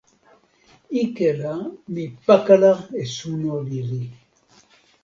ike la mi pakala e suno lili.